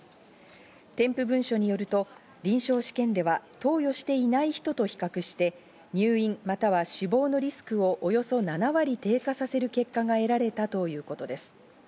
添付文書によると、臨床試験では投与していない人と比較して入院、または死亡のリスクをおよそ７割低下させる結果が得られたということです。